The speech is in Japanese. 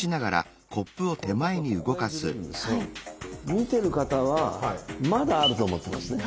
見てる方はまだあると思ってますね。